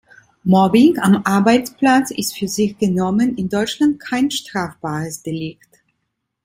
Mobbing am Arbeitsplatz ist für sich genommen in Deutschland kein strafbares Delikt.